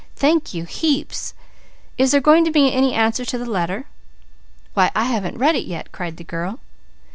Thank you heaps. Is there going to be any answer to the letter?" "Why I haven't read it yet!" cried the girl.